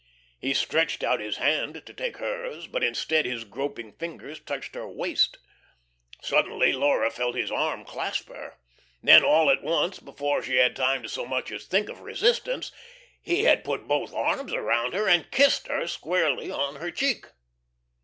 He stretched out his hand to take hers, but instead his groping fingers touched her waist. Suddenly Laura felt his arm clasp her. Then all at once, before she had time to so much as think of resistance, he had put both arms about her and kissed her squarely on her cheek.